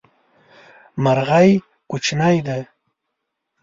مرغی کوچنی ده